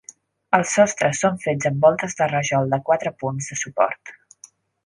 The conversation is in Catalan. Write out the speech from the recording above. Els sostres són fets amb voltes de rajol de quatre punts de suport.